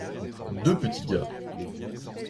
Deux petits gars.